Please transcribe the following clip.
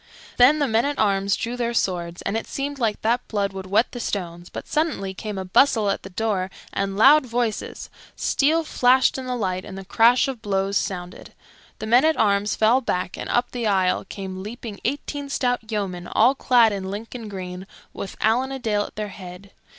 Then the men at arms drew their swords, and it seemed like that blood would wet the stones; but suddenly came a bustle at the door and loud voices, steel flashed in the light, and the crash of blows sounded. The men at arms fell back, and up the aisle came leaping eighteen stout yeomen all clad in Lincoln green, with Allan a Dale at their head.